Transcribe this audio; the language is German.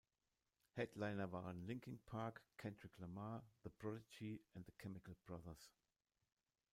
Headliner waren Linkin Park, Kendrick Lamar, The Prodigy und The Chemical Brothers.